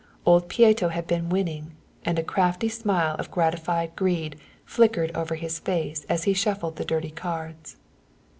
Old Pieto had been winning, and a crafty smile of gratified greed flickered over his face as he shuffled the dirty cards.